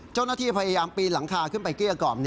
เจ้าหน้าที่พยายามปีนหลังคาขึ้นไปเกลี้ยกล่อม